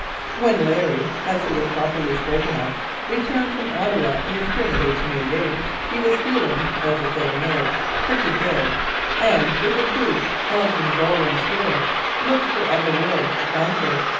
When " Larry " (as he was popularly spoken of) re turned from Ottawa in the spring of 1888 he was feeling, as the saying is, "pretty good," and, with the true Hohenzollern spirit, looked for other worlds to conquer.